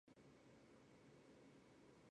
圣奥诺兰德迪西。